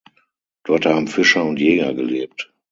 Dort haben Fischer und Jäger gelebt.